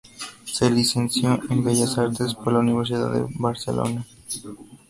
Se licenció en Bellas Artes por la Universidad de Barcelona.